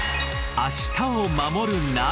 「明日をまもるナビ」